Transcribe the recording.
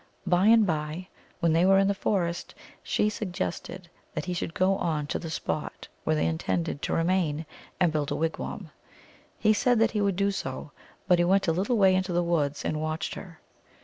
By and by, when they were in the forest, she suggested that he should go on to the spot where they intended to re main and build a wigwam. He said that he would do so. But he went a little way into the woods and watched her.